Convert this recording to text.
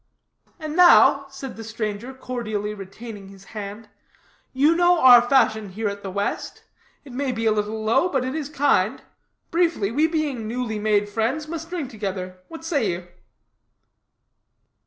"And now," said the stranger, cordially retaining his hand, "you know our fashion here at the West. It may be a little low, but it is kind. Briefly, we being newly made friends must drink together. What say you?"